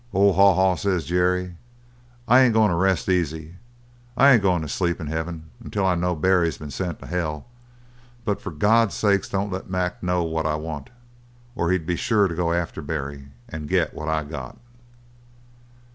"'Oh, Haw Haw,' says Jerry, 'I ain't goin' to rest easy, I ain't goin' to sleep in heaven until I know Barry's been sent to hell. But for God's sake don't let Mac know what I want, or he'd be sure to go after Barry and get what I got.'"